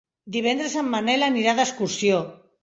Divendres en Manel anirà d'excursió.